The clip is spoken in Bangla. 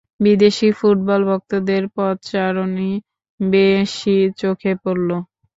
বিদেশি ফুটবল ভক্তদের পদচারণই বেশি চোখে পড়ল।